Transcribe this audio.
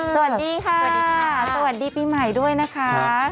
สวัสดีค่ะสวัสดีปีใหม่ด้วยนะคะ